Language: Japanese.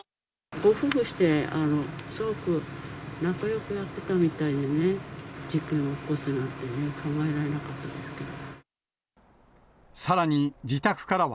ご夫婦してすごく仲よくやってたみたいでね、事件を起こすなんて考えられなかったですけど。